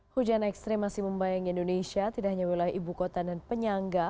hujan ekstrim masih membayangi indonesia tidak hanya wilayah ibu kota dan penyangga